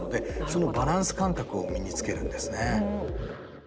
そのバランス感覚を身につけるんですね。